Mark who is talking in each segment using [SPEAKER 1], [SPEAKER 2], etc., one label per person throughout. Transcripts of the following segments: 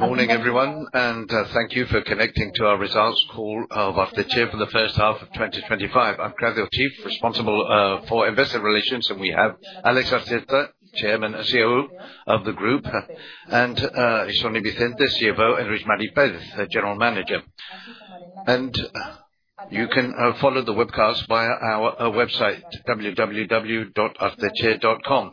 [SPEAKER 1] Morning everyone, thank you for connecting to our results call of Arteche for the first half of 2025. I'm Claudia Oche, responsible for investor relations, and we have Alex Arteche, Chairman and CEO of the group, Ixone Vicente, CFO, and Luis María Pérez, General Manager. You can follow the webcast via our website, www.arteche.com.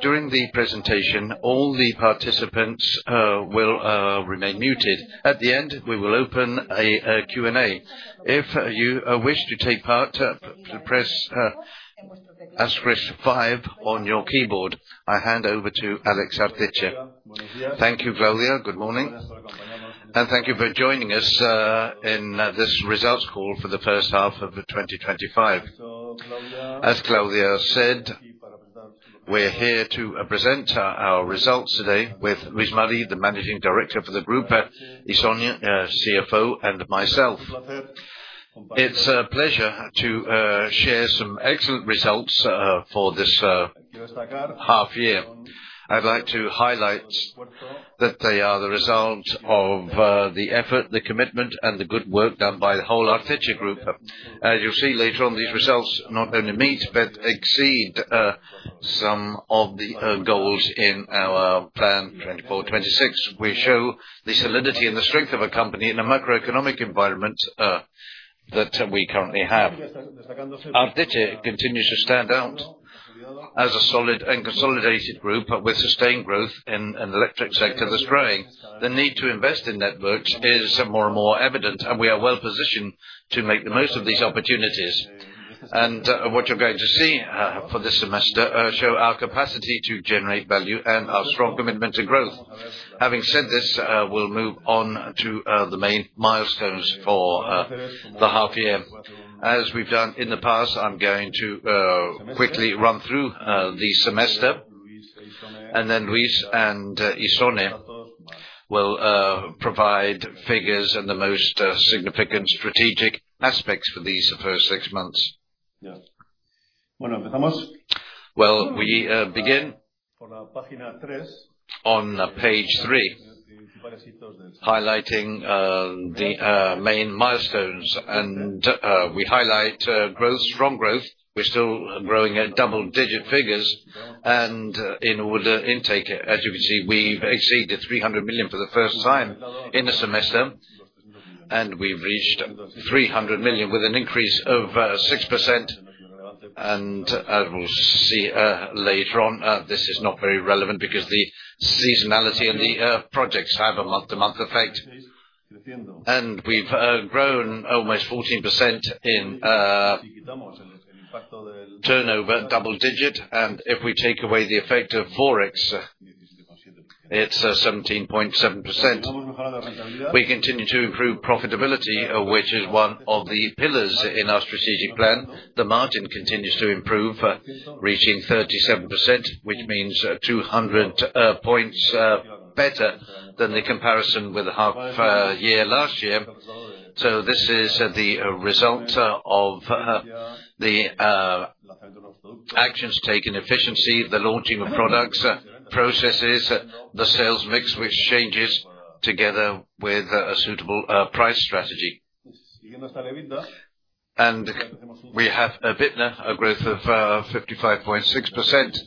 [SPEAKER 1] During the presentation, all the participants will remain muted. At the end, we will open a Q&A. If you wish to take part, press asterisk five on your keyboard. I hand over to Alex Arteche. Thank you, Claudia. Good morning. Thank you for joining us in this results call for the first half of 2025.
[SPEAKER 2] As Claudia said, we're here to present our results today with Luis María Pérez, the Managing Director for the group, Ixone Vicente, CFO, and myself. It's a pleasure to share some excellent results for this half year. I'd like to highlight that they are the result of the effort, the commitment, and the good work done by the whole Arteche group. As you'll see later on, these results not only meet but exceed some of the goals in our plan 2024, 2026. We show the solidity and the strength of a company in a macroeconomic environment that we currently have. Arteche continues to stand out as a solid and consolidated group with sustained growth in an electric sector that's growing. The need to invest in networks is more and more evident, and we are well-positioned to make the most of these opportunities. What you're going to see for this semester show our capacity to generate value and our strong commitment to growth. Having said this, we'll move on to the main milestones for the half year. As we've done in the past, I'm going to quickly run through the semester, and then Luis and Isonia will provide figures and the most significant strategic aspects for these first six months. Well, we begin on page 3, highlighting the main milestones, and we highlight growth, strong growth. We're still growing at double-digit figures and in order intake, as you can see, we've exceeded 300 million for the first time in a semester, and we reached 300 million with an increase of 6%. We'll see later on. This is not very relevant because the seasonality and the projects have a month-to-month effect. We've grown almost 14% in turnover, double digit, and if we take away the effect of Forex, it's 17.7%. We continue to improve profitability, which is one of the pillars in our strategic plan. The margin continues to improve, reaching 37%, which means 200 points better than the comparison with the half year last year. This is the result of the actions taken, efficiency, the launching of products, processes, the sales mix, which changes together with a suitable price strategy. We have EBITDA, a growth of 55.6%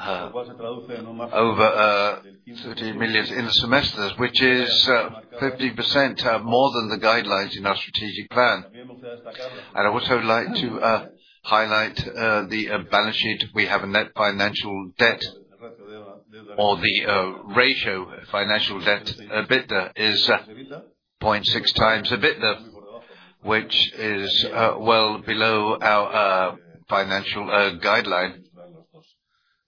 [SPEAKER 2] over 50 million in the semester, which is 50% more than the guidelines in our strategic plan. I would also like to highlight the balance sheet. We have a net financial debt to EBITDA ratio of 0.6x, which is well below our financial guideline.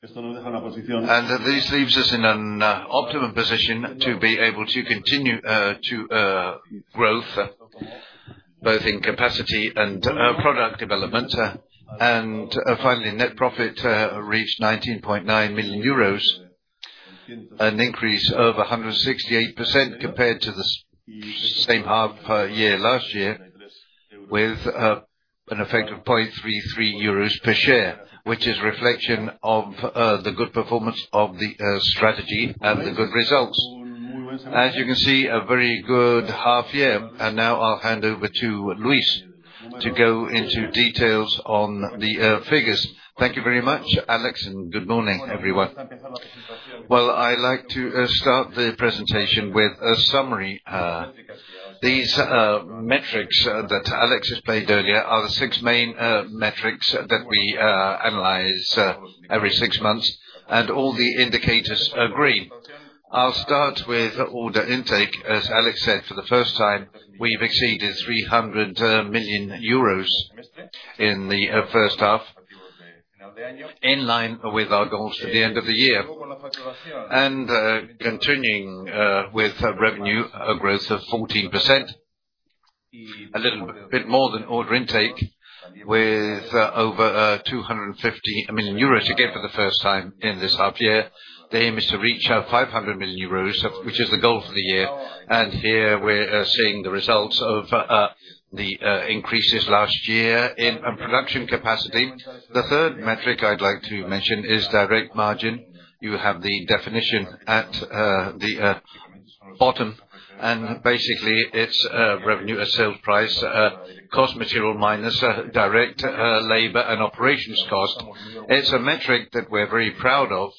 [SPEAKER 2] This leaves us in an optimum position to be able to continue to grow both in capacity and product development. Finally, net profit reached 19.9 million euros, an increase of 168% compared to the same half year last year with an effect of 0.33 euros per share, which is reflection of the good performance of the strategy and the good results. As you can see, a very good half year. Now I'll hand over to Luis to go into details on the figures.
[SPEAKER 3] Thank you very much, Alex, and good morning, everyone. Well, I like to start the presentation with a summary. These metrics that Alex just played earlier are the six main metrics that we analyze every six months, and all the indicators are green. I'll start with order intake. As Alex said, for the first time, we've exceeded 300 million euros in the first half, in line with our goals for the end of the year. Continuing with revenue, a growth of 14%, a little bit more than order intake with over 250 million euros, again for the first time in this half year. The aim is to reach 500 million euros, which is the goal for the year. Here we're seeing the results of the increases last year in production capacity. The third metric I'd like to mention is direct margin. You have the definition at the bottom, and basically, it's revenue or sales price, cost of material minus direct labor and operations cost. It's a metric that we're very proud of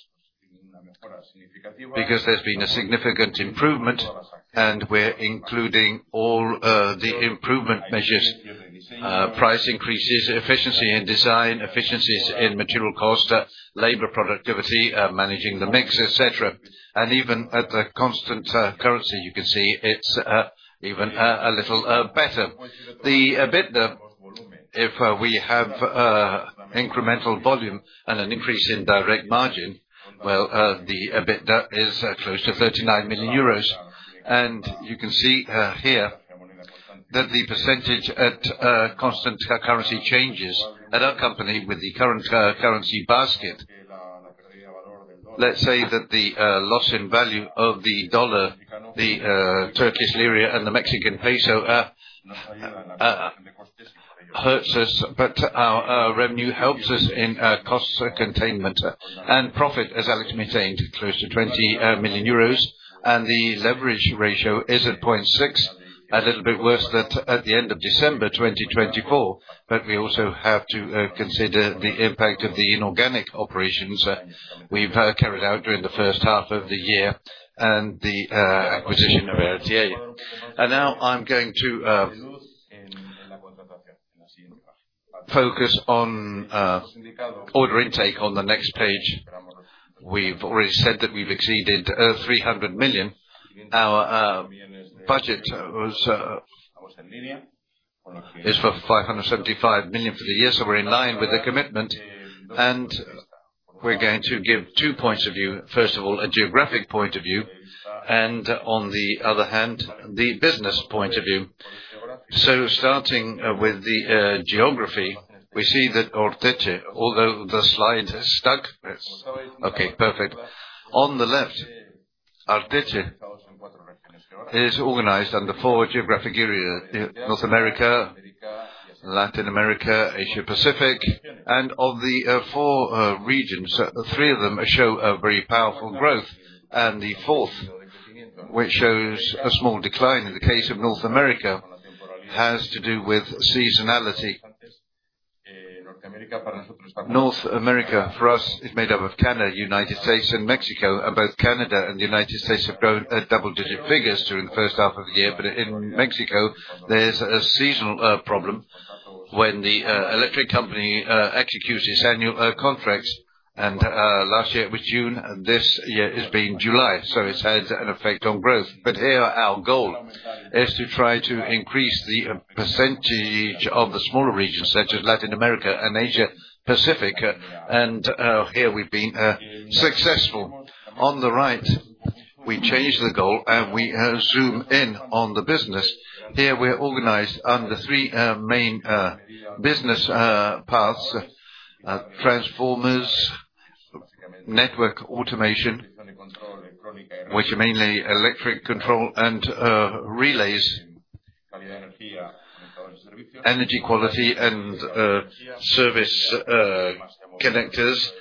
[SPEAKER 3] because there's been a significant improvement, and we're including all the improvement measures, price increases, efficiency in design, efficiencies in material cost, labor productivity, managing the mix, et cetera. Even at a constant currency, you can see it's even a little better. The EBITDA, if we have incremental volume and an increase in direct margin, well, the EBITDA is close to 39 million euros. You can see here that the percentage at constant currency changes and accompanied with the current currency basket. Let's say that the loss in value of the US dollar, the Turkish lira, and the Mexican peso hurts us, but our revenue helps us in cost containment. Profit, as Alex Arteche maintained, close to 20 million euros, and the leverage ratio is at 0.6, a little bit worse at the end of December 2024. We also have to consider the impact of the inorganic operations we've carried out during the first half of the year and the acquisition of RTR. Now I'm going to focus on order intake on the next page. We've already said that we've exceeded 300 million. Our budget is for 575 million for the year, so we're in line with the commitment. We're going to give two points of view, first of all, a geographic point of view, and on the other hand, the business point of view. Starting with the geography, we see that Arteche, although the slide is stuck, it's... Okay, perfect. On the left, Arteche is organized under four geographic areas, North America, Latin America, Asia-Pacific, and of the four regions, three of them show a very powerful growth. The fourth, which shows a small decline in the case of North America, has to do with seasonality. North America, for us, is made up of Canada, United States, and Mexico. Both Canada and the United States have grown at double-digit figures during the first half of the year. In Mexico, there's a seasonal problem when the electric company executes its annual contracts. Last year it was June, and this year it's been July, so it has an effect on growth. Here, our goal is to try to increase the percentage of the smaller regions, such as Latin America and Asia Pacific. Here we've been successful. On the right, we change the goal, and we zoom in on the business. Here we're organized under three main business paths: transformers, network automation, which are mainly electric control and relays, energy quality and service connectors.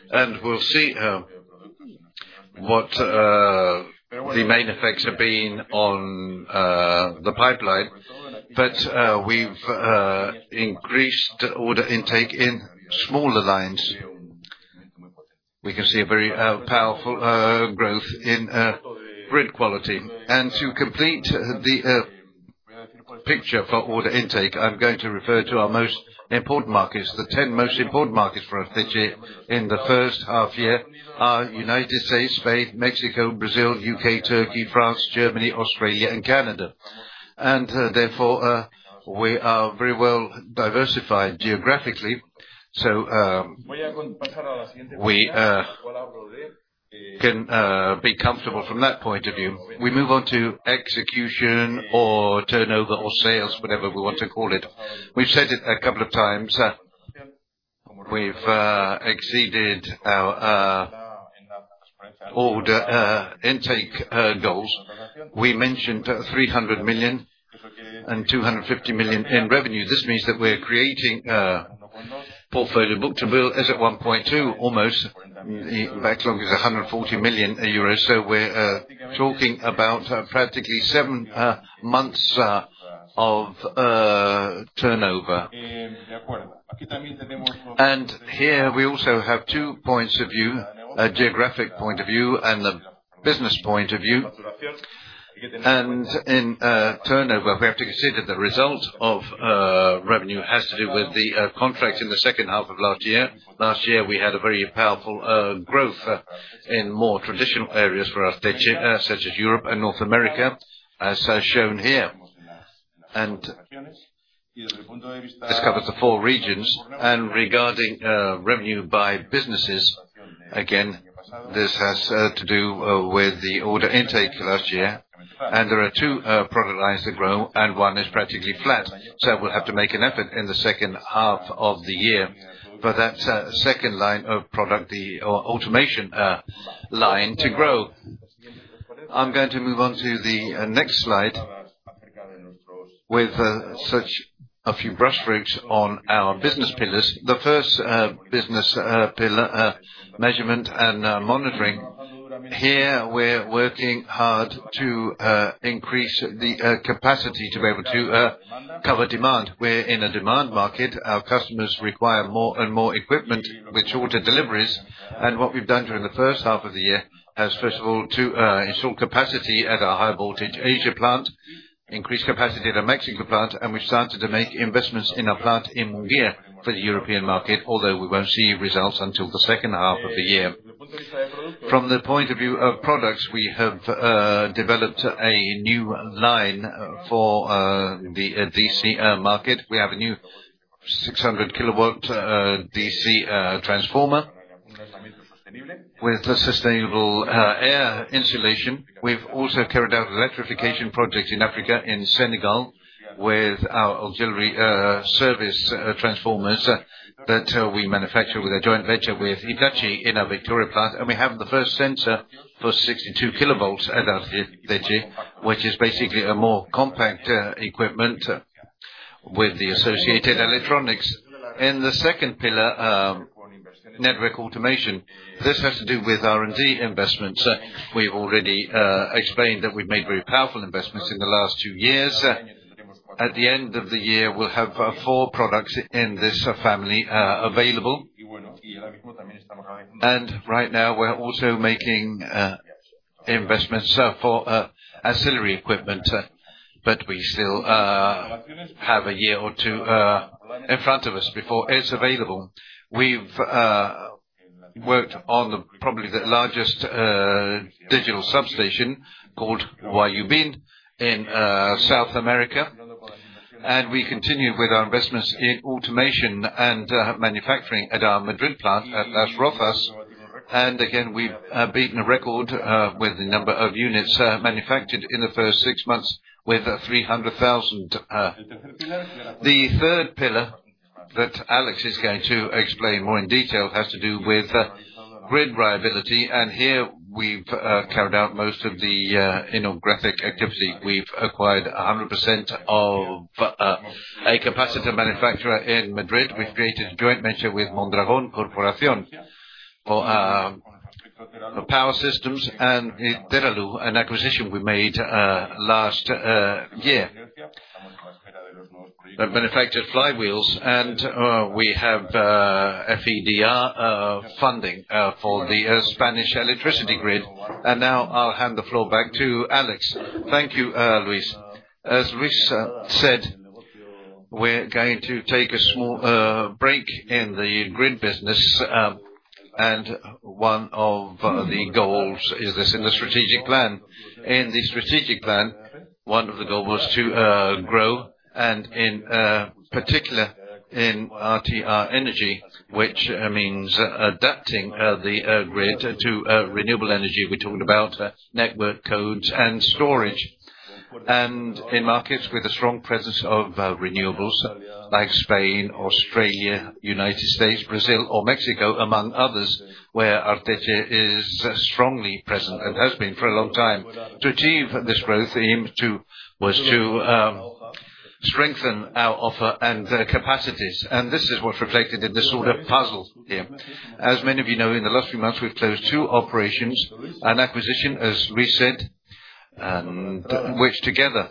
[SPEAKER 3] We'll see what the main effects have been on the pipeline. We've increased order intake in smaller lines. We can see a very powerful growth in energy quality. To complete the picture for order intake, I'm going to refer to our most important markets. The 10 most important markets for Arteche in the first half year are United States, Spain, Mexico, Brazil, U.K., Turkey, France, Germany, Australia, and Canada. Therefore, we are very well diversified geographically. We can be comfortable from that point of view. We move on to execution or turnover or sales, whatever we want to call it. We've said it a couple of times. We've exceeded our order intake goals. We mentioned 300 million and 250 million in revenue. This means that we're creating a portfolio. Book-to-bill is at 1.2 almost. The backlog is EUR 140 million. We're talking about practically seven months of turnover. Here we also have two points of view, a geographic point of view and a business point of view. In turnover, we have to consider the result of revenue has to do with the contracts in the second half of last year. Last year, we had a very powerful growth in more traditional areas for Arteche such as Europe and North America, as shown here. This covers the four regions. Regarding revenue by businesses, again, this has to do with the order intake last year. There are two product lines that grow, and one is practically flat. We'll have to make an effort in the second half of the year for that second line of product, or automation line to grow. I'm going to move on to the next slide with such a few brushstrokes on our business pillars. The first business pillar, measurement and monitoring. Here, we're working hard to increase the capacity to be able to cover demand. We're in a demand market. Our customers require more and more equipment with shorter deliveries. What we've done during the first half of the year is, first of all, to ensure capacity at our high voltage Asia plant, increase capacity at our Mexico plant, and we started to make investments in our plant in Mungia for the European market, although we won't see results until the second half of the year. From the point of view of products, we have developed a new line for the DC market. We have a new 600 kV DC transformer with a sustainable air insulation. We've also carried out electrification projects in Africa and Senegal with our auxiliary service transformers that we manufacture with a joint venture with Hitachi in our Vitoria plant. We have the first sensor for 62 kV at Arteche, which is basically a more compact equipment with the associated electronics. In the second pillar, network automation. This has to do with R&D investments. We've already explained that we've made very powerful investments in the last 2 years. At the end of the year, we'll have 4 products in this family available. Right now, we're also making investments for ancillary equipment. We still have a year or 2 in front of us before it's available. We've worked on probably the largest digital substation called Guayubín in South America, and we continue with our investments in automation and manufacturing at our Madrid plant at Las Rozas. Again, we've beaten a record with the number of units manufactured in the first six months with 300,000. The third pillar that Alex is going to explain more in detail has to do with grid viability. Here we've carried out most of the strategic activity. We've acquired 100% of a capacitor manufacturer in Madrid. We've created a joint venture with Mondragón Corporación for power systems and Teraloop, an acquisition we made last year. They've manufactured flywheels and we have FEDER funding for the Spanish electricity grid. Now I'll hand the floor back to Alex.
[SPEAKER 2] Thank you, Luis. As Luis said, we're going to take a small break in the grid business. One of the goals is this in the strategic plan. In the strategic plan, one of the goal was to grow, and in particular in RTR Energía, which means adapting the grid to renewable energy. We talked about network codes and storage, and in markets with a strong presence of renewables like Spain, Australia, United States, Brazil or Mexico, among others, where Arteche is strongly present and has been for a long time. To achieve this growth, the aim was to strengthen our offer and capacities, and this is what's reflected in this sort of puzzle here. As many of you know, in the last few months, we've closed two operations and acquisition, as we said, which together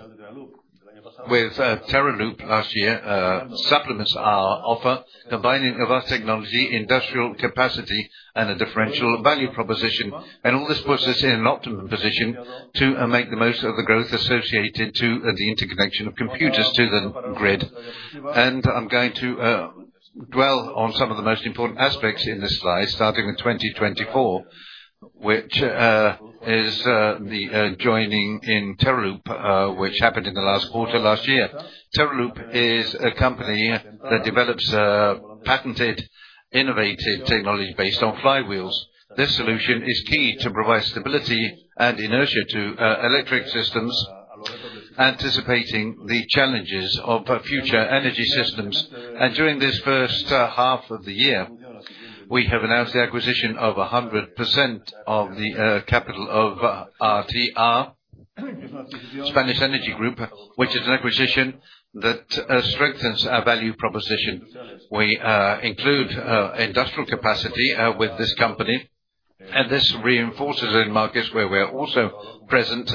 [SPEAKER 2] with Teraloop last year supplements our offer, combining advanced technology, industrial capacity, and a differential value proposition. All this puts us in an optimum position to make the most of the growth associated to the interconnection of converters to the grid. I'm going to dwell on some of the most important aspects in this slide, starting with 2024, which is the joining in Teraloop, which happened in the last quarter last year. Teraloop is a company that develops patented innovative technology based on flywheels. This solution is key to provide stability and inertia to electric systems, anticipating the challenges of future energy systems. During this first half of the year, we have announced the acquisition of 100% of the capital of RTR Energía, which is an acquisition that strengthens our value proposition. We include industrial capacity with this company, and this reinforces in markets where we are also present,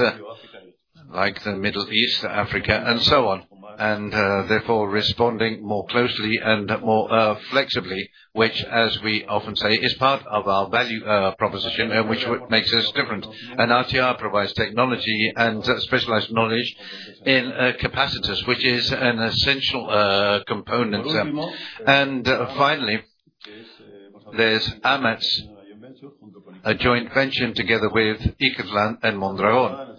[SPEAKER 2] like the Middle East, Africa, and so on. Therefore, responding more closely and more flexibly, which, as we often say, is part of our value proposition and which what makes us different. RTR provides technology and specialized knowledge in capacitors, which is an essential component. Finally, there's AMETS, a joint venture together with Ikerlan and Mondragón.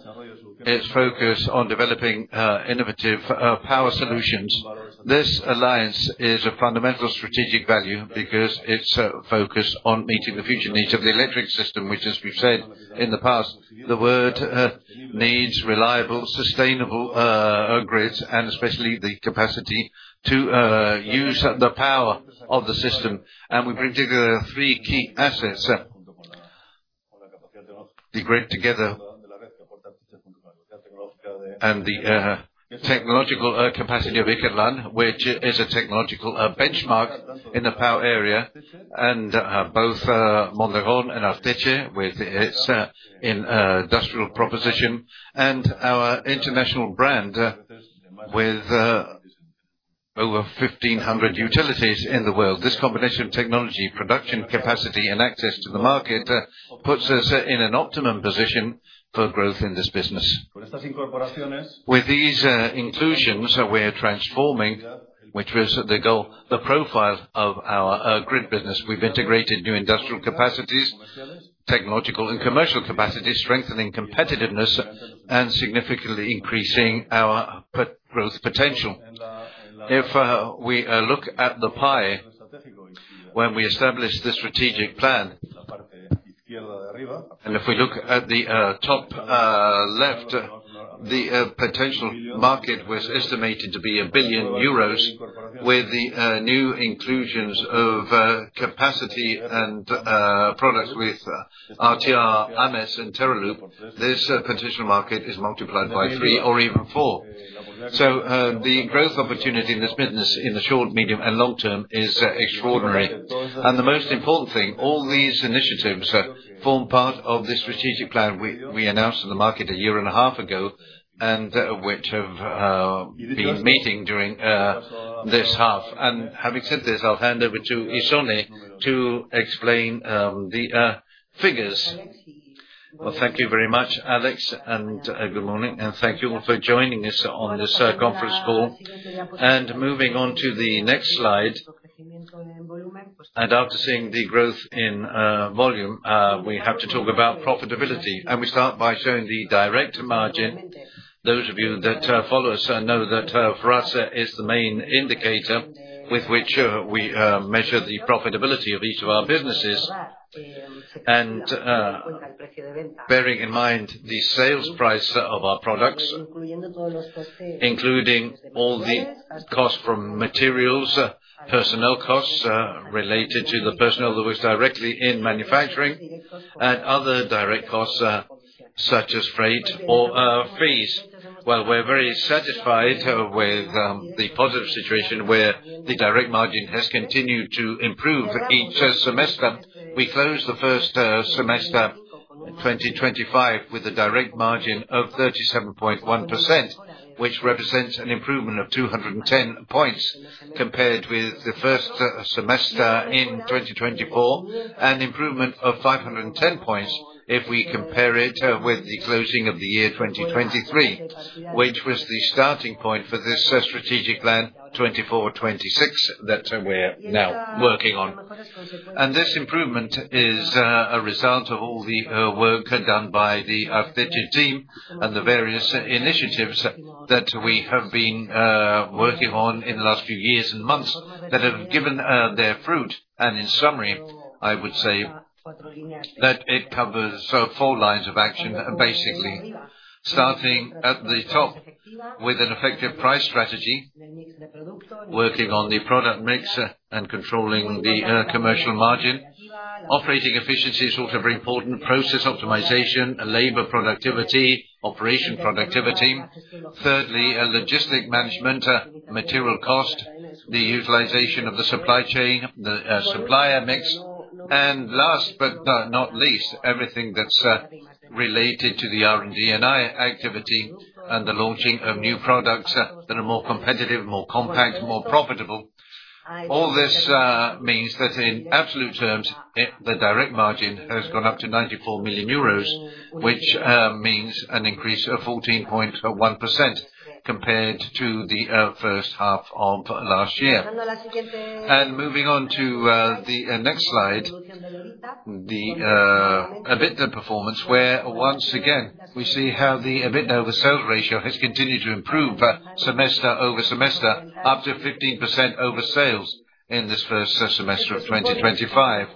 [SPEAKER 2] It's focused on developing innovative power solutions. This alliance is of fundamental strategic value because it's focused on meeting the future needs of the electric system, which, as we've said in the past, the world needs reliable, sustainable grids and especially the capacity to use the power of the system. We bring together three key assets, the technological capacity of Ikerlan, which is a technological benchmark in the Basque area. Both Mondragón and Arteche, with its industrial proposition and our international brand, with over 1,500 utilities in the world. This combination of technology, production capacity, and access to the market puts us in an optimum position for growth in this business. With these inclusions, we are transforming, which was the goal, the profile of our grid business. We've integrated new industrial capacities, technological and commercial capacities, strengthening competitiveness and significantly increasing our potential growth potential. If we look at the slide when we established the strategic plan, and if we look at the top left, the potential market was estimated to be 1 billion euros. With the new inclusions of capacity and products with RTR, AMETS, and Teraloop, this potential market is multiplied by three or even four. The growth opportunity in this business in the short, medium, and long term is extraordinary. The most important thing, all these initiatives form part of the strategic plan we announced in the market a year and a half ago, and which have been meeting during this half. Having said this, I'll hand over to Ixone to explain the figures.
[SPEAKER 4] Well, thank you very much, Alex, and good morning, and thank you all for joining us on this conference call. Moving on to the next slide, after seeing the growth in volume, we have to talk about profitability. We start by showing the direct margin. Those of you that follow us know that for us, it is the main indicator with which we measure the profitability of each of our businesses. Bearing in mind the sales price of our products, including all the costs from materials, personnel costs related to the personnel that works directly in manufacturing and other direct costs such as freight or fees, well, we're very satisfied with the positive situation where the direct margin has continued to improve each semester. We closed the first semester in 2025 with a direct margin of 37.1%, which represents an improvement of 210 points compared with the first semester in 2024, an improvement of 510 points if we compare it with the closing of the year 2023, which was the starting point for this strategic plan, 2024-2026, that we're now working on. This improvement is a result of all the work done by the Arteche team and the various initiatives that we have been working on in the last few years and months that have given their fruit. In summary, I would say that it covers four lines of action, basically. Starting at the top with an effective price strategy, working on the product mix and controlling the commercial margin. Operating efficiency is also very important. Process optimization, labor productivity, operation productivity. Thirdly, logistics management, material cost, the utilization of the supply chain, the supplier mix. Last but not least, everything that's related to the R&D&I activity and the launching of new products that are more competitive, more compact, more profitable. All this means that in absolute terms, the direct margin has gone up to 94 million euros, which means an increase of 14.1% compared to the first half of last year. Moving on to the next slide, the EBITDA performance, where once again, we see how the EBITDA over sales ratio has continued to improve semester over semester, up to 15% over sales in this first semester of 2025.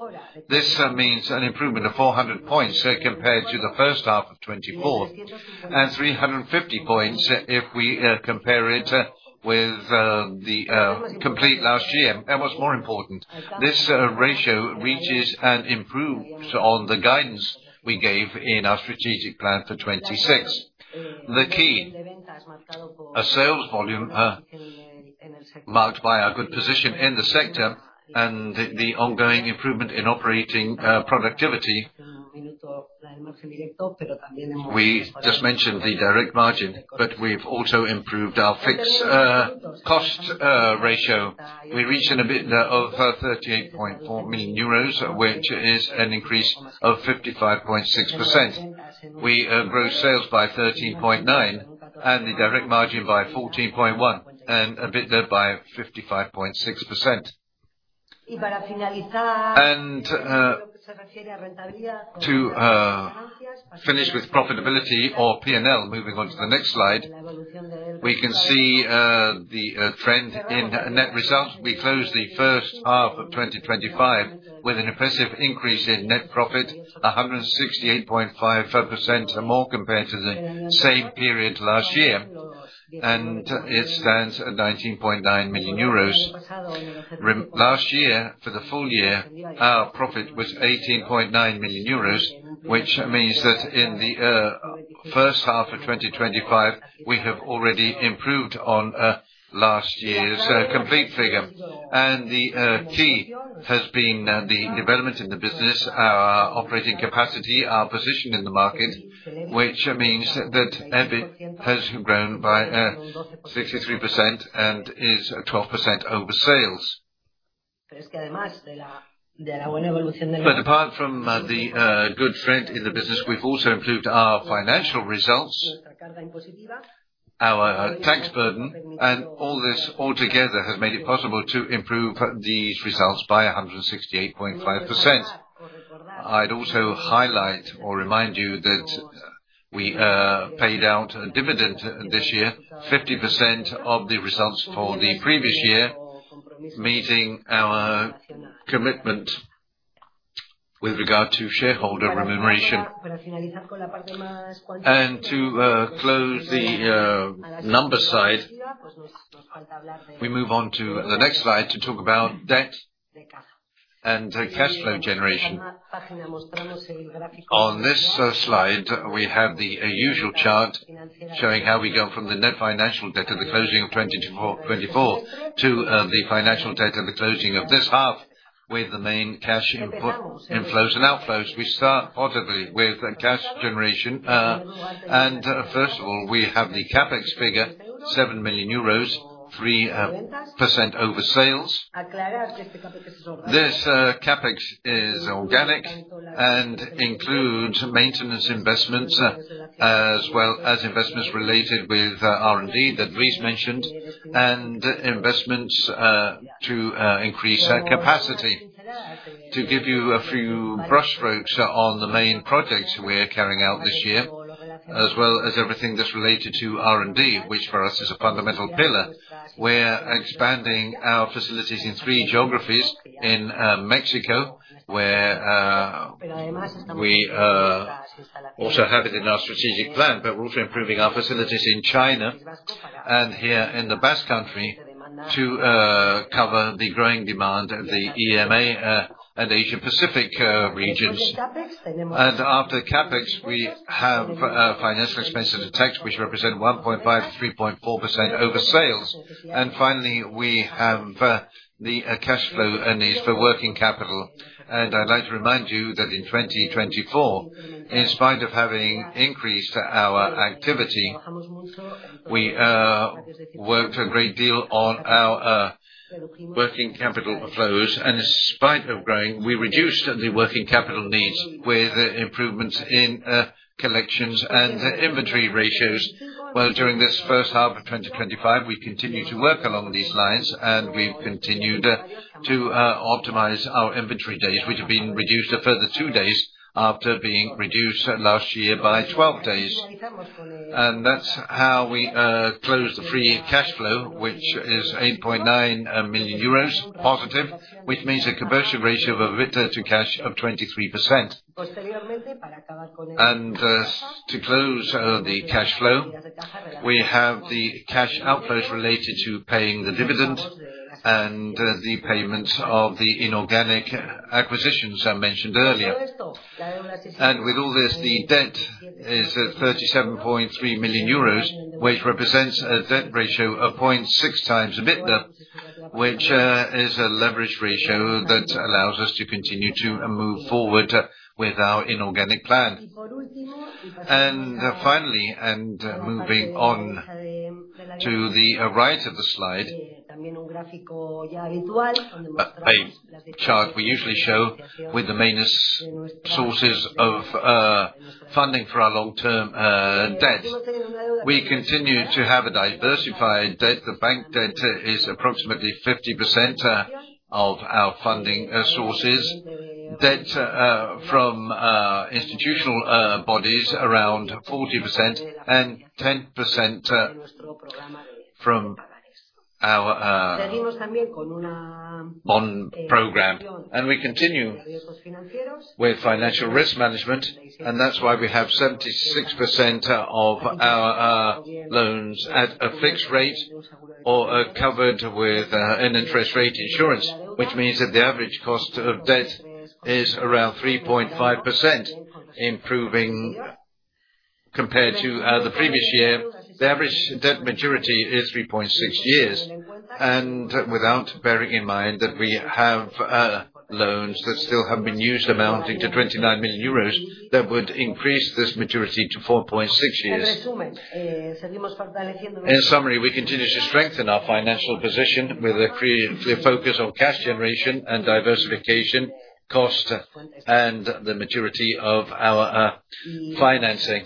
[SPEAKER 4] This means an improvement of 400 points compared to the first half of 2024, and 350 points if we compare it with the complete last year. What's more important, this ratio reaches and improves on the guidance we gave in our strategic plan for 2026. The key, a sales volume marked by our good position in the sector and the ongoing improvement in operating productivity. We just mentioned the direct margin, but we've also improved our fixed cost ratio. We reach an EBITDA of 38.4 million euros, which is an increase of 55.6%. We grow sales by 13.9%, and the direct margin by 14.1%, and EBITDA by 55.6%. To finish with profitability or P&L, moving on to the next slide, we can see the trend in net results. We closed the first half of 2025 with an impressive increase in net profit 168.5% more compared to the same period last year. It stands at 19.9 million euros. Last year for the full year, our profit was 18.9 million euros, which means that in the first half of 2025, we have already improved on last year's complete figure. The key has been the development in the business, our operating capacity, our position in the market, which means that EBIT has grown by 63% and is 12% over sales. Apart from the good trend in the business, we've also improved our financial results, our tax burden, and all this altogether has made it possible to improve these results by 168.5%. I'd also highlight or remind you that we paid out a dividend this year, 50% of the results for the previous year, meeting our commitment with regard to shareholder remuneration. To close the number side, we move on to the next slide to talk about debt and cash flow generation. On this slide, we have the usual chart showing how we go from the net financial debt to the closing of 2024 to the financial debt and the closing of this half with the main cash inflows and outflows. We start positively with cash generation. First of all, we have the CapEx figure, 7 million euros, 3% over sales. This CapEx is organic and includes maintenance investments, as well as investments related with R&D that Luis mentioned, and investments to increase our capacity. To give you a few broad strokes on the main projects we are carrying out this year, as well as everything that's related to R&D, which for us is a fundamental pillar, we're expanding our facilities in three geographies in Mexico, where we also have it in our strategic plan, but we're also improving our facilities in China and here in the Basque Country to cover the growing demand of the EMEA and Asia Pacific regions. After CapEx, we have financial expenses and tax, which represent 1.5%-3.4% over sales. Finally, we have the cash flow needs for working capital. I'd like to remind you that in 2024, in spite of having increased our activity, we worked a great deal on our working capital flows, in spite of growing, we reduced the working capital needs with improvements in collections and inventory ratios. Well, during this first half of 2025, we continued to work along these lines, and we've continued to optimize our inventory days, which have been reduced a further 2 days after being reduced last year by 12 days. That's how we close the free cash flow, which is 8.9 million euros positive, which means a conversion ratio of EBITDA to cash of 23%. To close the cash flow, we have the cash outflows related to paying the dividend and the payments of the inorganic acquisitions I mentioned earlier. With all this, the debt is at 37.3 million euros, which represents a debt ratio of 0.6 times EBITDA, which is a leverage ratio that allows us to continue to move forward with our inorganic plan. Finally, moving on to the right of the slide, a chart we usually show with the main sources of funding for our long-term debt. We continue to have a diversified debt. The bank debt is approximately 50% of our funding sources. Debt from institutional bodies around 40% and 10% from our bond program. We continue with financial risk management, and that's why we have 76% of our loans at a fixed rate or are covered with an interest rate insurance, which means that the average cost of debt is around 3.5%, improving compared to the previous year. The average debt maturity is 3.6 years. Without bearing in mind that we have loans that still have been used amounting to 29 million euros, that would increase this maturity to 4.6 years. In summary, we continue to strengthen our financial position with a focus on cash generation and diversification, cost, and the maturity of our financing.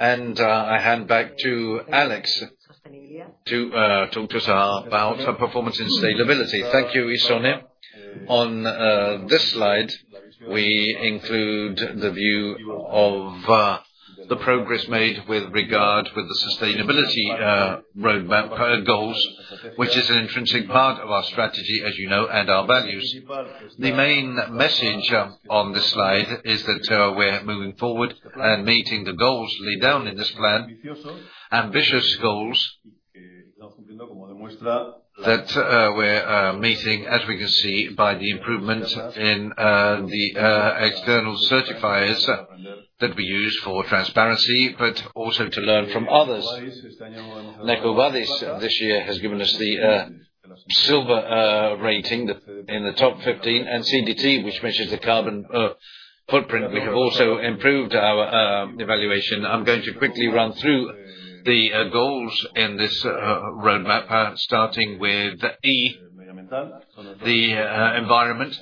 [SPEAKER 4] I hand back to Alex to talk to us about performance and sustainability.
[SPEAKER 2] Thank you, Ixone. On this slide, we include the view of the progress made with regard to the sustainability roadmap goals, which is an intrinsic part of our strategy, as you know, and our values. The main message on this slide is that we're moving forward and meeting the goals laid down in this plan. Ambitious goals that we're meeting as we can see by the improvement in the external certifiers that we use for transparency, but also to learn from others. EcoVadis this year has given us the silver rating in the top 15. CDP, which measures the carbon footprint, we have also improved our evaluation. I'm going to quickly run through the goals in this roadmap, starting with E, the environment,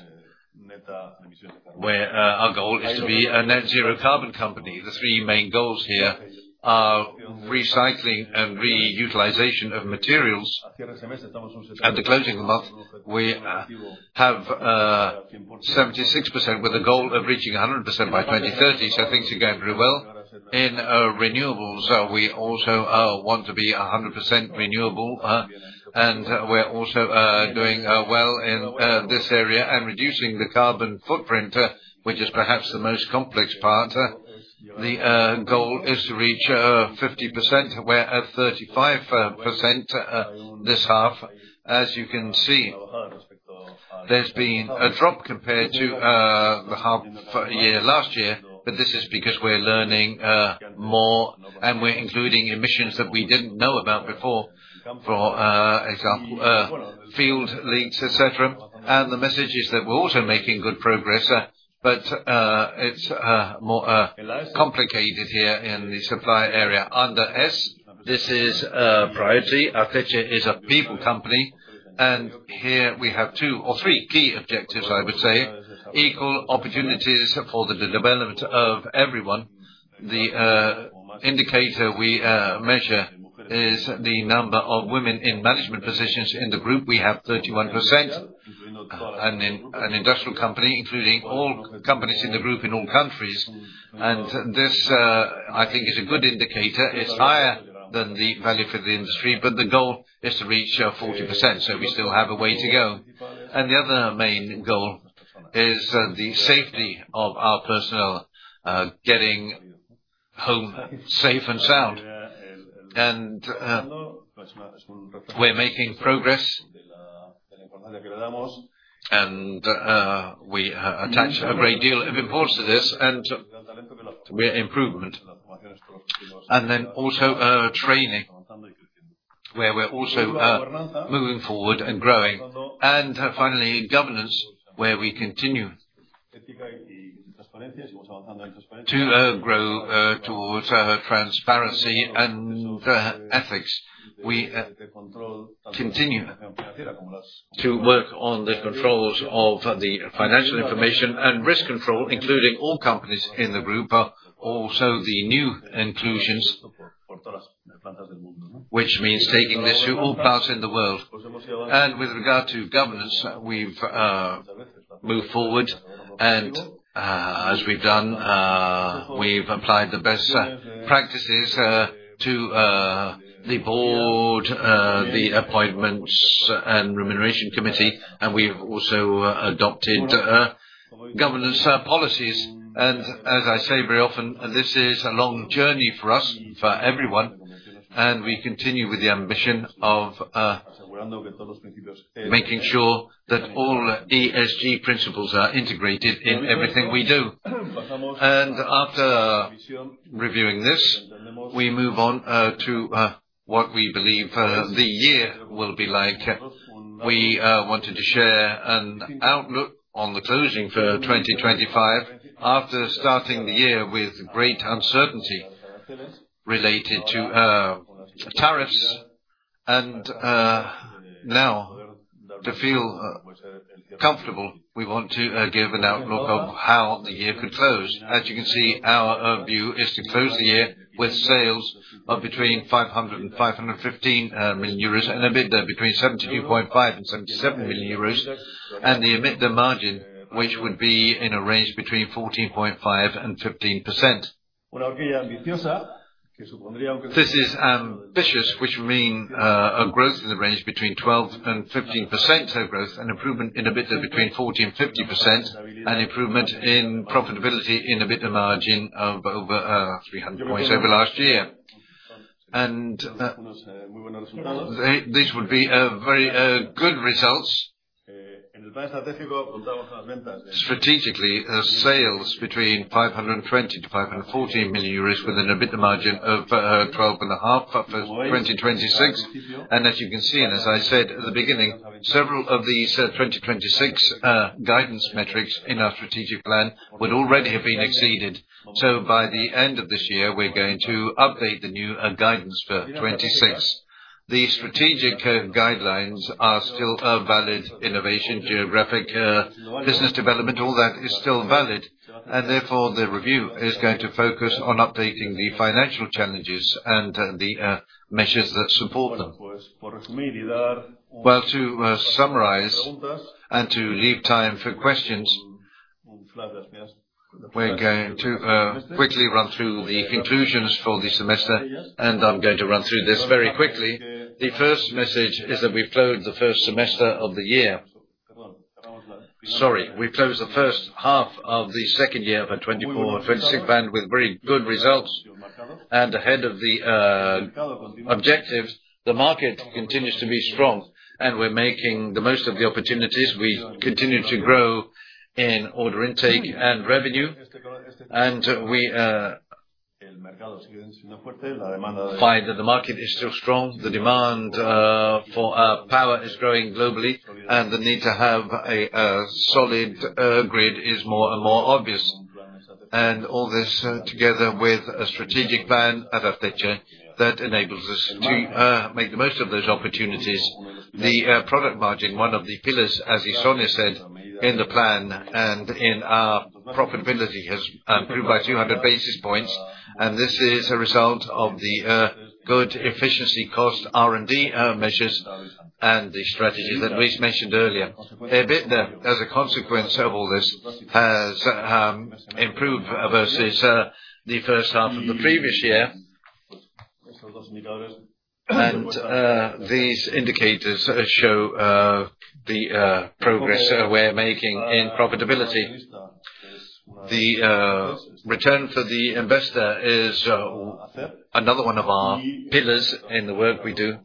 [SPEAKER 2] where our goal is to be a net zero carbon company. The three main goals here are recycling and reutilization of materials. At the closing of the month, we have 76% with a goal of reaching 100% by 2030. Things are going very well. In renewables, we also want to be 100% renewable. We're also doing well in this area and reducing the carbon footprint, which is perhaps the most complex part. The goal is to reach 50%. We're at 35% this half. As you can see, there's been a drop compared to the half year last year, but this is because we're learning more, and we're including emissions that we didn't know about before, for example, field leaks, et cetera. The message is that we're also making good progress, but it's more complicated here in the supply area. Under S, this is a priority. Arteche is a people company, and here we have two or three key objectives, I would say. Equal opportunities for the development of everyone. The indicator we measure is the number of women in management positions in the group. We have 31%. An industrial company, including all companies in the group in all countries. This, I think is a good indicator. It's higher than the value for the industry, but the goal is to reach 40%, so we still have a way to go. The other main goal is the safety of our personnel, getting home safe and sound. We're making progress, and we attach a great deal of importance to this, and we're improving. Then also, training, where we're also moving forward and growing. Finally, governance, where we continue to grow towards transparency and ethics. We continue to work on the controls of the financial information and risk control, including all companies in the group, also the new inclusions, which means taking this to all plants in the world. With regard to governance, we've moved forward, and as we've done, we've applied the best practices to the board, the appointments and remuneration committee, and we've also adopted governance policies. As I say very often, this is a long journey for us, for everyone, and we continue with the ambition of making sure that all ESG principles are integrated in everything we do. After reviewing this, we move on to what we believe the year will be like. We wanted to share an outlook on the closing for 2025. After starting the year with great uncertainty related to tariffs, and now to feel comfortable, we want to give an outlook of how the year could close. As you can see, our view is to close the year with sales of between 500 million euros and 515 million euros, and a EBITDA between 72.5 million and 77 million euros, and the EBITDA margin, which would be in a range between 14.5% and 15%. This is ambitious, which means a growth in the range between 12% and 15% growth, an improvement in EBITDA between 40% and 50%, an improvement in profitability in EBITDA margin of over 300 points over last year. These would be very good results. Strategically, sales between 520 million and 514 million euros within an EBITDA margin of 12.5% for 2026. As you can see, and as I said at the beginning, several of these 2026 guidance metrics in our strategic plan would already have been exceeded. By the end of this year, we're going to update the new guidance for 2026. The strategic guidelines are still valid. Innovation, geographic business development, all that is still valid. Therefore, the review is going to focus on updating the financial challenges and the measures that support them. Well, to summarize and to leave time for questions, we're going to quickly run through the conclusions for the semester, and I'm going to run through this very quickly. The first message is that we closed the first half of the second year of our 2024 plan with very good results and ahead of the objectives. The market continues to be strong, and we're making the most of the opportunities. We continue to grow in order intake and revenue, and we find that the market is still strong. The demand for power is growing globally, and the need to have a solid grid is more and more obvious. All this together with a strategic plan at Arteche that enables us to make the most of those opportunities. The product margin, one of the pillars, as Ison said, in the plan and in our profitability, has improved by 200 basis points, and this is a result of the good efficiency cost R&D measures and the strategies that Luis mentioned earlier. EBITDA, as a consequence of all this, has improved versus the first half of the previous year. These indicators show the progress we're making in profitability. The return for the investor is another one of our pillars in the work we do,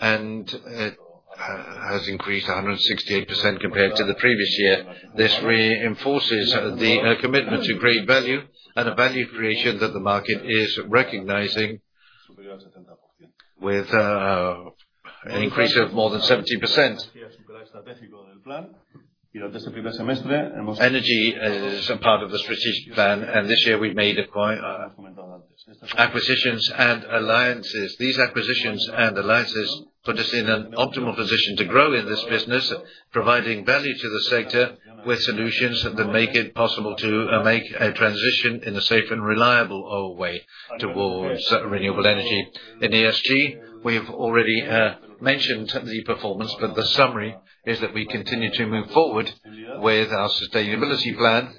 [SPEAKER 2] and it has increased 168% compared to the previous year. This reinforces the commitment to great value and a value creation that the market is recognizing with an increase of more than 70%. Energy is a part of the strategic plan, and this year we've made key acquisitions and alliances. These acquisitions and alliances put us in an optimal position to grow in this business, providing value to the sector with solutions that make it possible to make a transition in a safe and reliable way towards renewable energy. In ESG, we've already mentioned the performance, but the summary is that we continue to move forward with our sustainability plan,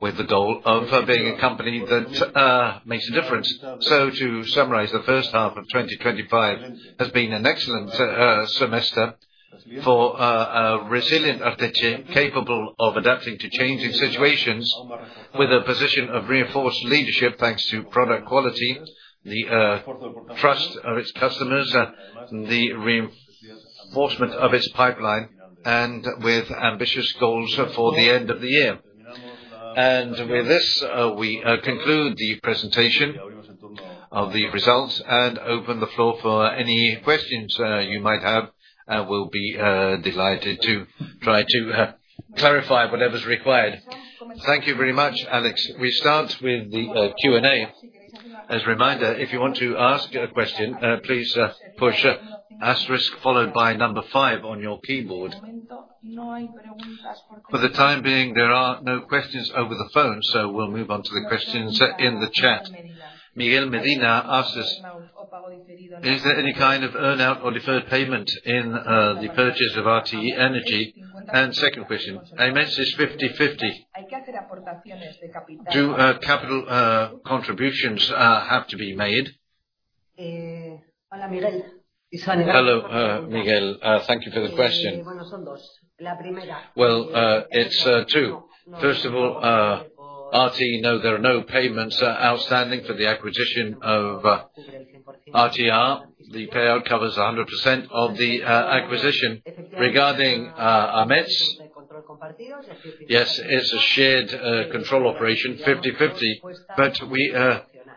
[SPEAKER 2] with the goal of being a company that makes a difference. To summarize, the first half of 2025 has been an excellent semester for a resilient Arteche, capable of adapting to changing situations with a position of reinforced leadership, thanks to product quality, the trust of its customers, the reinforcement of its pipeline, and with ambitious goals for the end of the year. With this, we conclude the presentation of the results and open the floor for any questions you might have. I will be delighted to try to clarify whatever's required.
[SPEAKER 1] Thank you very much, Alex. We start with the Q&A. As a reminder, if you want to ask a question, please push asterisk followed by five on your keyboard. For the time being, there are no questions over the phone, so we'll move on to the questions in the chat. Miguel Medina asks us, is there any kind of earn-out or deferred payment in the purchase of RTR Energía? Second question, AMETS is 50/50. Do capital contributions have to be made?
[SPEAKER 4] Hello, Miguel. Thank you for the question. Well, it's two. First of all, RTR, no, there are no payments outstanding for the acquisition of RTR. The payout covers 100% of the acquisition. Regarding AMETS, yes, it's a shared control operation, 50/50, but we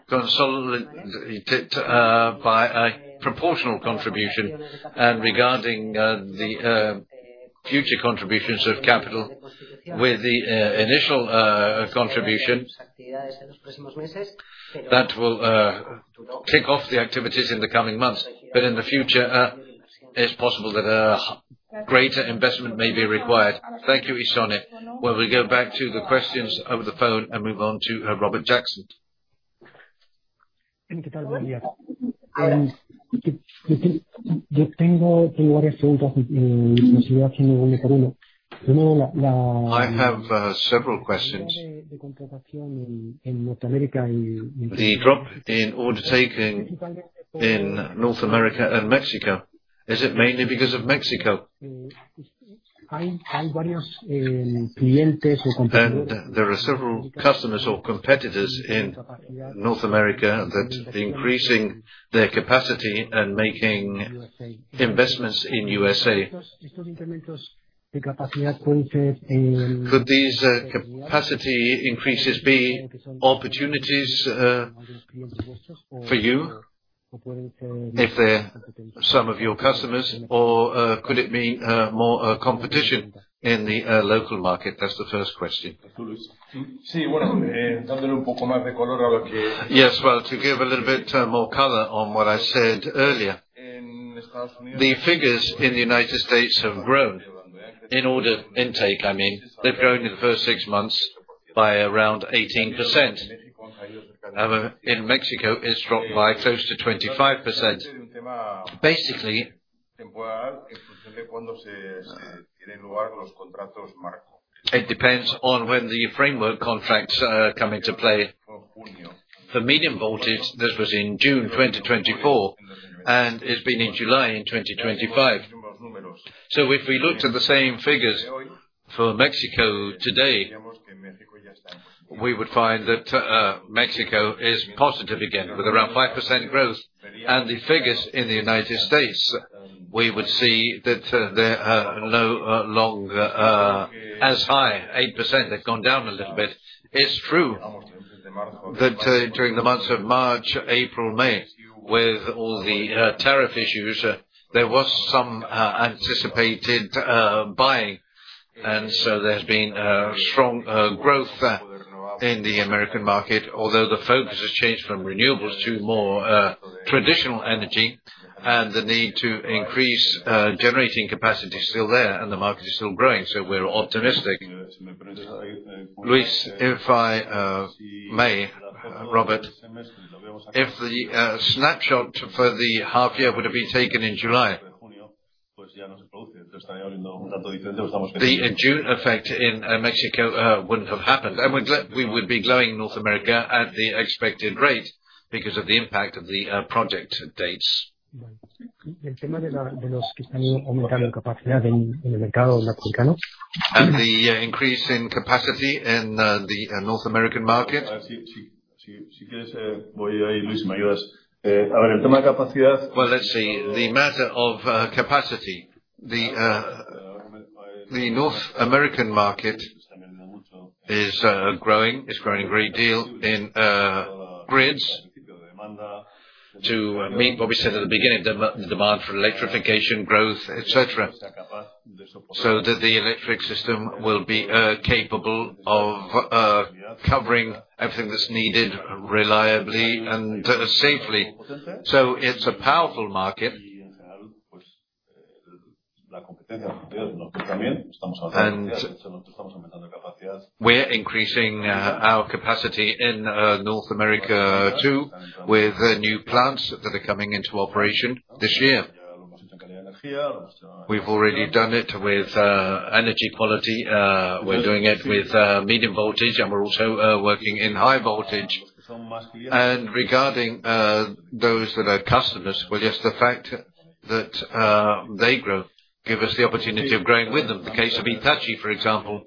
[SPEAKER 4] consolidated by a proportional contribution. Regarding the future contributions of capital with the initial contribution, that will kick off the activities in the coming months. In the future, it's possible that a greater investment may be required.
[SPEAKER 1] Thank you, Ixone. Well, we go back to the questions over the phone and move on to Robert Jackson.
[SPEAKER 5] I have several questions. The drop in order taking in North America and Mexico, is it mainly because of Mexico? There are several customers or competitors in North America that increasing their capacity and making investments in USA. Could these capacity increases be opportunities for you if they're some of your customers, or could it mean more competition in the local market? That's the first question.
[SPEAKER 2] Yes. Well, to give a little bit more color on what I said earlier. The figures in the United States have grown in order intake, I mean. They've grown in the first six months by around 18%. In Mexico, it's dropped by close to 25%. Basically, it depends on when the framework contracts come into play. For medium voltage, this was in June 2024, and it's been in July 2025. If we looked at the same figures for Mexico today, we would find that Mexico is positive again with around 5% growth. The figures in the United States, we would see that they are no longer as high, 8%, they've gone down a little bit.
[SPEAKER 1] It's true that during the months of March, April, May, with all the tariff issues, there was some anticipated buying. There's been strong growth in the American market. Although the focus has changed from renewables to more traditional energy, and the need to increase generating capacity is still there, and the market is still growing, so we're optimistic. Luis, if I may, Robert, if the snapshot for the half year would have been taken in July, the June effect in Mexico wouldn't have happened, and we would be growing North America at the expected rate because of the impact of the project dates and the increase in capacity in the North American market. Well, let's see. The matter of capacity. The North American market is growing. It's growing a great deal in grids to meet what we said at the beginning, demand for electrification growth, et cetera, so that the electric system will be capable of covering everything that's needed reliably and safely. It's a powerful market. We're increasing our capacity in North America too, with new plants that are coming into operation this year. We've already done it with energy quality, we're doing it with medium voltage, and we're also working in high voltage. Regarding those that are customers, well, just the fact that their growth gives us the opportunity of growing with them. The case of Hitachi, for example.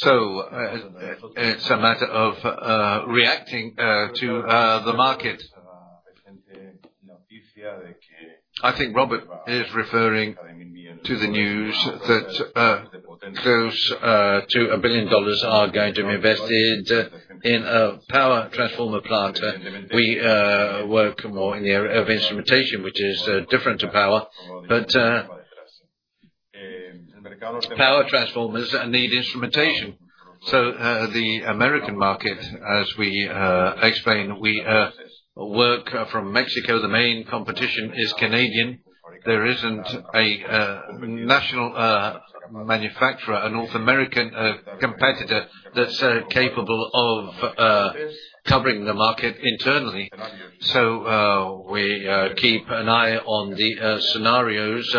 [SPEAKER 1] It's a matter of reacting to the market.
[SPEAKER 3] I think Robert is referring to the news that close to $1 billion are going to be invested in a power transformer plant. We work more in the area of instrumentation, which is different to power. Power transformers need instrumentation. The American market, as we explain, we work from Mexico, the main competition is Canadian. There isn't a national manufacturer, a North American competitor that's capable of covering the market internally. We keep an eye on the scenarios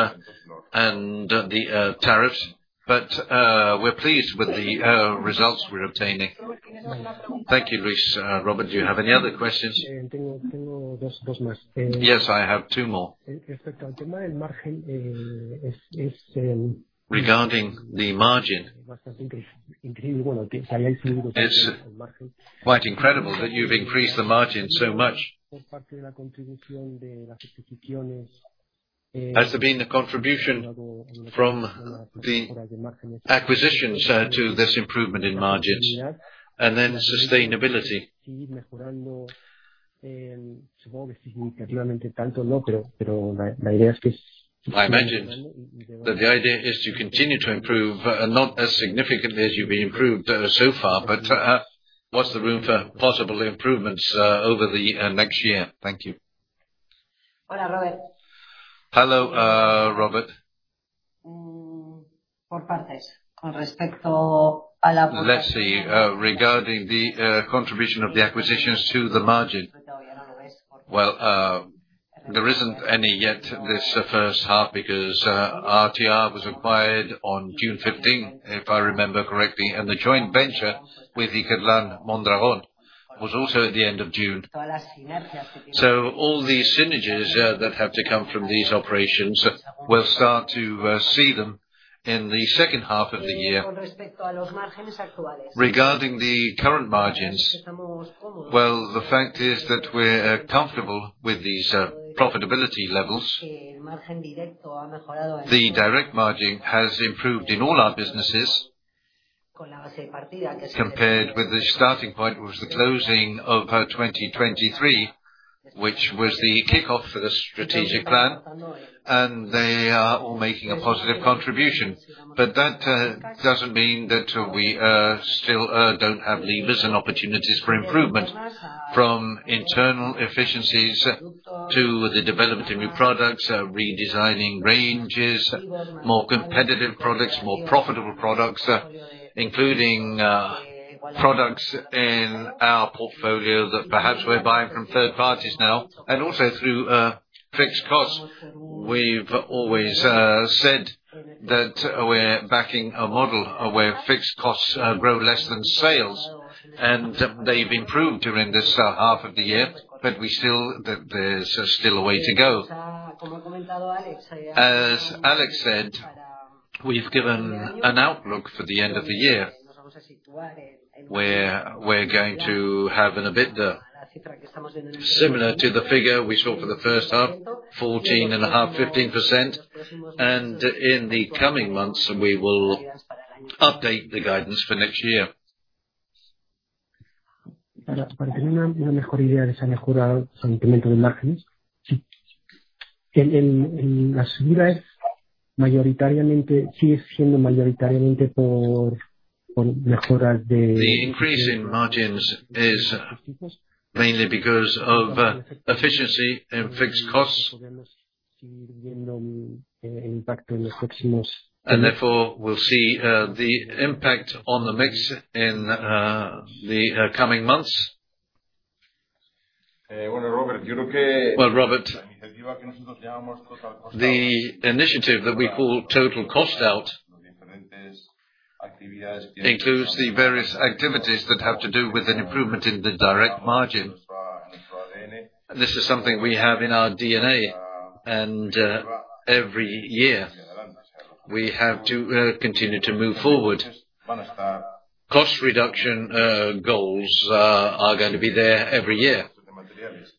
[SPEAKER 3] and the tariffs, but we're pleased with the results we're obtaining.
[SPEAKER 1] Thank you, Luis. Robert, do you have any other questions? Yes, I have two more. Regarding the margin, it's quite incredible that you've increased the margin so much.
[SPEAKER 4] Has there been a contribution from the acquisitions to this improvement in margins? And then sustainability. I imagine that the idea is to continue to improve, not as significantly as you've improved so far, but what's the room for possible improvements over the next year? Thank you. Hello, Robert. Let's see. Regarding the contribution of the acquisitions to the margin. Well, there isn't any yet this first half because RTR was acquired on June 15, if I remember correctly. The joint venture with Ikerlan Mondragón was also at the end of June. All the synergies that have to come from these operations, we'll start to see them in the second half of the year. Regarding the current margins, well, the fact is that we're comfortable with these profitability levels. The direct margin has improved in all our businesses compared with the starting point, which was the closing of 2023, which was the kickoff for the strategic plan, and they are all making a positive contribution. That doesn't mean that we still don't have levers and opportunities for improvement. From internal efficiencies to the development of new products, redesigning ranges, more competitive products, more profitable products, including products in our portfolio that perhaps we're buying from third parties now. Also through fixed costs, we've always said that we're backing a model where fixed costs grow less than sales, and they've improved during this half of the year. There's still a way to go. As Alex said, we've given an outlook for the end of the year, where we're going to have an EBITDA similar to the figure we saw for the first half, 14.5%-15%, and in the coming months, we will update the guidance for next year. The increase in margins is mainly because of efficiency in fixed costs. Therefore, we'll see the impact on the mix in the coming months. Well, Robert, the initiative that we call Total Cost Out includes the various activities that have to do with an improvement in the direct margin. This is something we have in our DNA, and every year, we have to continue to move forward. Cost reduction goals are going to be there every year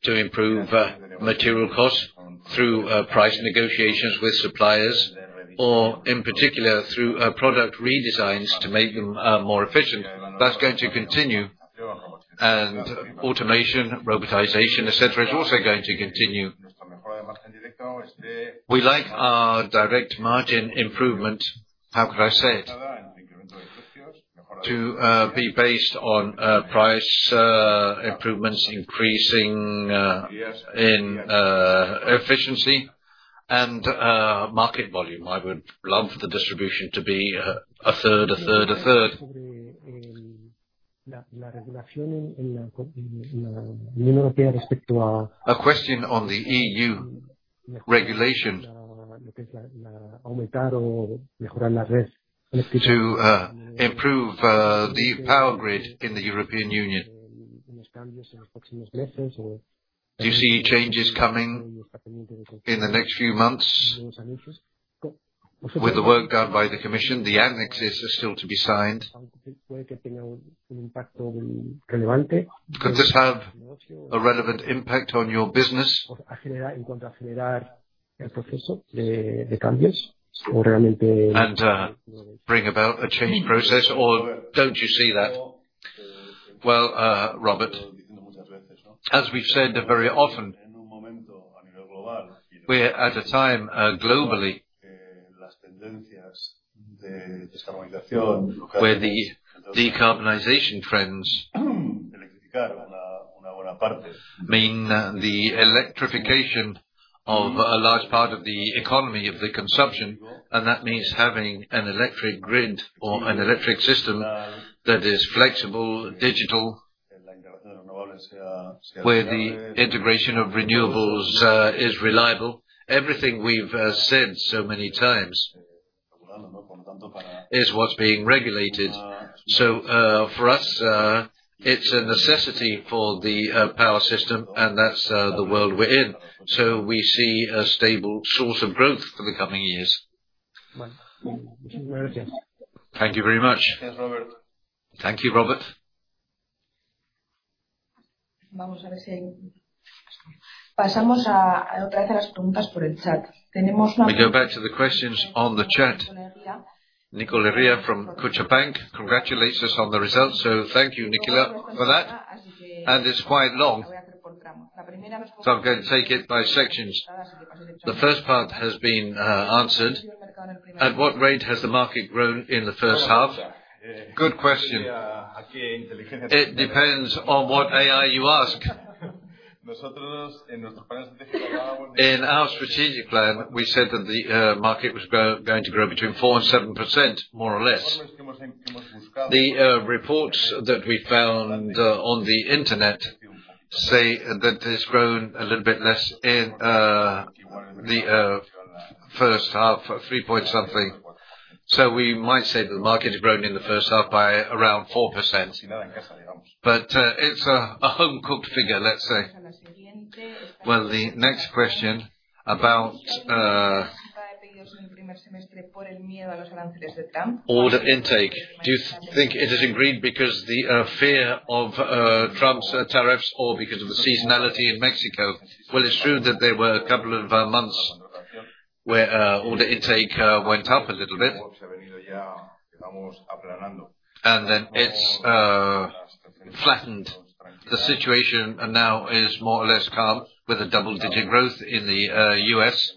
[SPEAKER 4] to improve material costs through price negotiations with suppliers or in particular, through product redesigns to make them more efficient. That's going to continue, and automation, robotization, et cetera, is also going to continue. We like our direct margin improvement, how can I say it? To be based on price improvements, increasing in efficiency and market volume. I would love for the distribution to be a third, a third, a third. A question on the EU regulation to improve the power grid in the European Union. Do you see changes coming in the next few months? With the work done by the commission, the annexes are still to be signed. Could this have a relevant impact on your business? Bring about a change process, or don't you see that? Well, Robert, as we've said very often, we're at a time globally where the decarbonization trends mean the electrification of a large part of the economy, of the consumption, and that means having an electric grid or an electric system that is flexible, digital, where the integration of renewables is reliable. Everything we've said so many times is what's being regulated. For us, it's a necessity for the power system, and that's the world we're in. We see a stable source of growth for the coming years. Thank you very much.
[SPEAKER 2] Thanks, Robert.
[SPEAKER 1] Thank you, Robert. We go back to the questions on the chat. Nicolás Ría from Kutxabank congratulates us on the results. Thank you, Nicolás, for that. It's quite long. I'm gonna take it by sections. The first part has been answered. At what rate has the market grown in the first half? Good question. It depends on what AI you ask. In our strategic plan, we said that the market was going to grow between 4%-7%, more or less. The reports that we found on the Internet say that it's grown a little bit less in the first half, 3 point something. We might say that the market has grown in the first half by around 4%. But it's a home-cooked figure, let's say. Well, the next question about Order intake. Do you think it has increased because the fear of Trump's tariffs or because of the seasonality in Mexico? Well, it's true that there were a couple of months where order intake went up a little bit. Then it's flattened. The situation now is more or less calm with double-digit growth in the U.S.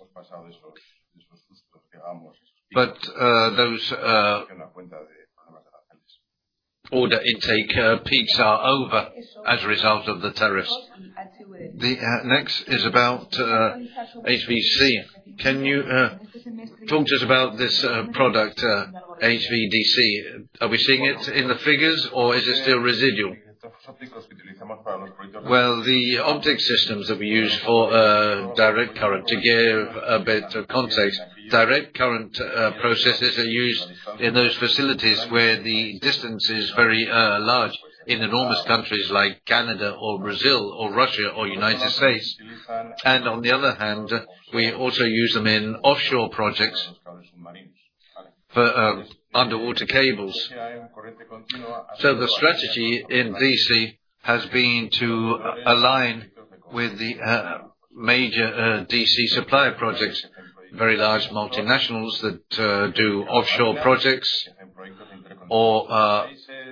[SPEAKER 1] Those order intake peaks are over as a result of the tariffs. The next is about HVDC. Can you talk to us about this product, HVDC? Are we seeing it in the figures, or is it still residual?
[SPEAKER 2] Well, the OptiX systems that we use for direct current, to give a better context, direct current processes are used in those facilities where the distance is very large. In enormous countries like Canada or Brazil or Russia or United States. On the other hand, we also use them in offshore projects for underwater cables. The strategy in DC has been to align with the major DC supplier projects, very large multinationals that do offshore projects or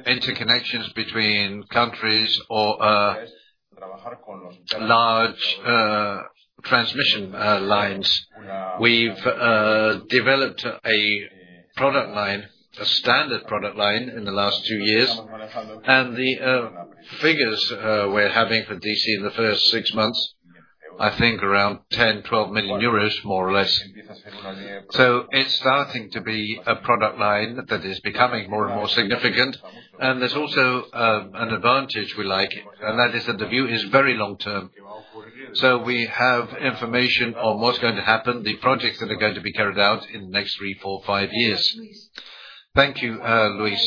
[SPEAKER 2] interconnections between countries or large transmission lines. We've developed a product line, a standard product line in the last two years, and the figures we're having for DC in the first six months, I think around 10 million-12 million euros, more or less. It's starting to be a product line that is becoming more and more significant, and there's also an advantage we like, and that is that the view is very long-term. We have information on what's going to happen, the projects that are going to be carried out in the next 3, 4, 5 years. Thank you, Luis.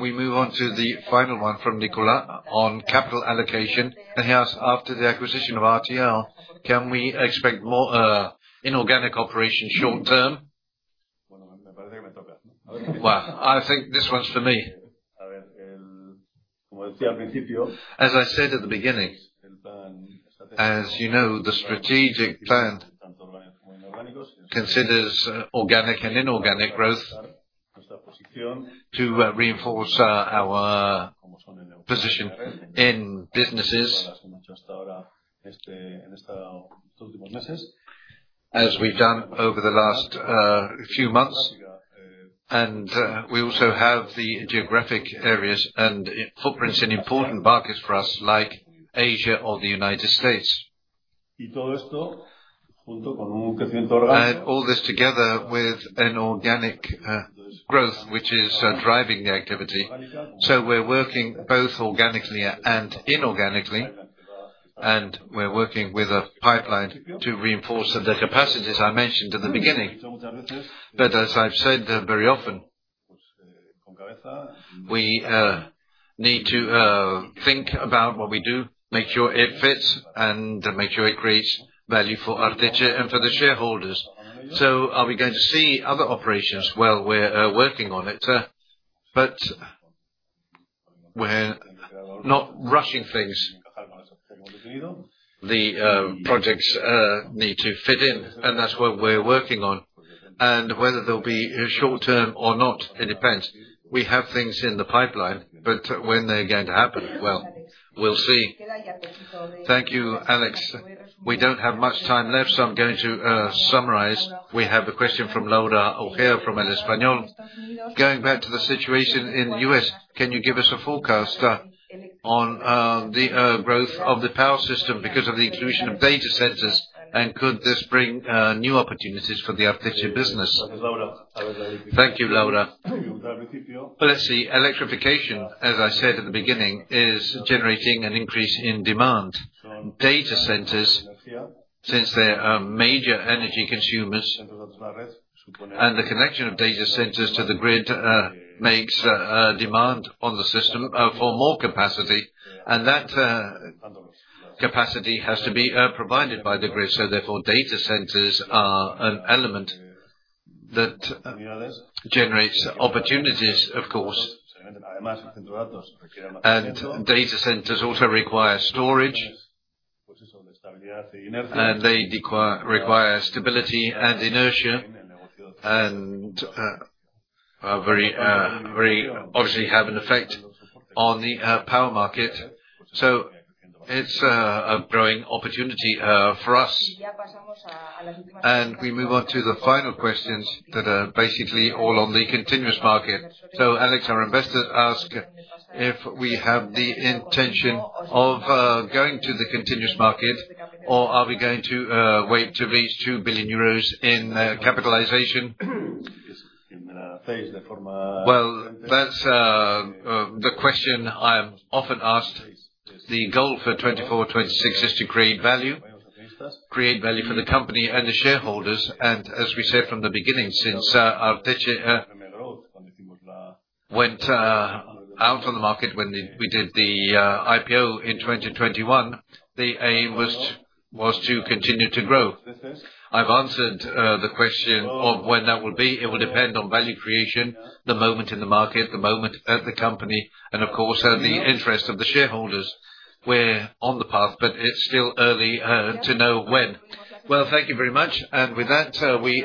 [SPEAKER 2] We move on to the final one from Nicolás Ría on capital allocation. He asks, "After the acquisition of RTR, can we expect more inorganic operations short-term?" Well, I think this one's for me. As I said at the beginning, as you know, the strategic plan considers organic and inorganic growth to reinforce our position in businesses, as we've done over the last few months. We also have the geographic areas and footprints in important markets for us, like Asia or the United States. All this together with an organic growth, which is driving the activity. We're working both organically and inorganically, and we're working with a pipeline to reinforce the capacities I mentioned in the beginning. As I've said very often, we need to think about what we do, make sure it fits, and make sure it creates value for Arteche and for the shareholders. Are we going to see other operations? Well, we're working on it, but we're not rushing things. The projects need to fit in, and that's what we're working on. Whether they'll be short-term or not, it depends. We have things in the pipeline, but when they're going to happen, well, we'll see.
[SPEAKER 1] Thank you, Alex. We don't have much time left, so I'm going to summarize. We have a question from Laura Ojer from El Español. Going back to the situation in the U.S., can you give us a forecast on the growth of the power system because of the inclusion of data centers, and could this bring new opportunities for the Arteche business?"
[SPEAKER 2] Thank you, Laura. Well, let's see. Electrification, as I said at the beginning, is generating an increase in demand. Data centers, since they are major energy consumers, and the connection of data centers to the grid makes a demand on the system for more capacity, and that capacity has to be provided by the grid. So therefore, data centers are an element that generates opportunities, of course. Data centers also require storage, and they require stability and inertia and are very obviously have an effect on the power market. It's a growing opportunity for us. We move on to the final questions that are basically all on the continuous market. Alex Arteche, our investors ask if we have the intention of going to the continuous market or are we going to wait to reach 2 billion euros in capitalization? Well, that's the question I'm often asked. The goal for 2024-2026 is to create value for the company and the shareholders. As we said from the beginning, since Arteche went out on the market when we did the IPO in 2021, the aim was to continue to grow. I've answered the question of when that will be. It will depend on value creation, the moment in the market, the moment at the company, and of course, the interest of the shareholders. We're on the path, but it's still early to know when. Well, thank you very much. With that, we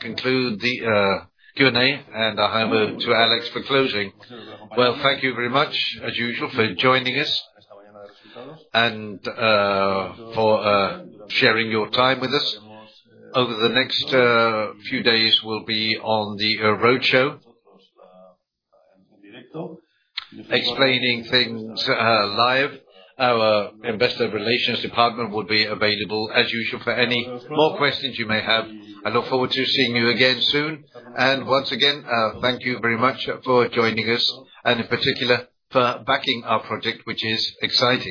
[SPEAKER 2] conclude the Q&A, and I hand over to Alex for closing. Well, thank you very much, as usual, for joining us and for sharing your time with us. Over the next few days, we'll be on the roadshow, explaining things live. Our investor relations department will be available as usual for any more questions you may have. I look forward to seeing you again soon. Once again, thank you very much for joining us and in particular for backing our project, which is exciting.